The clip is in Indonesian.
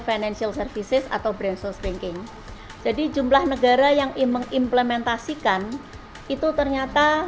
financial services atau branchers thinking jadi jumlah negara yang implementasikan itu ternyata